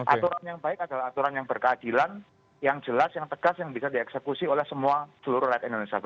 aturan yang baik adalah aturan yang berkeadilan yang jelas yang tegas yang bisa dieksekusi oleh semua seluruh rakyat indonesia